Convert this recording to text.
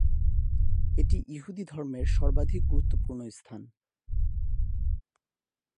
এটি ইহুদি ধর্মের সর্বাধিক গুরুত্বপূর্ণ স্থান।